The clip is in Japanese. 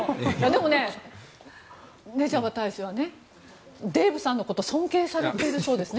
でもね、レジャバ大使はデーブさんのこと尊敬されているそうですね。